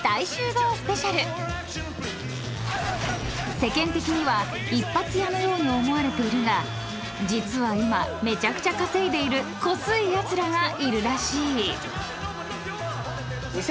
［世間的には一発屋のように思われているが実は今めちゃくちゃ稼いでいるこすいやつらがいるらしい］